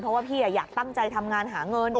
เพราะว่าพี่อยากตั้งใจทำงานหาเงิน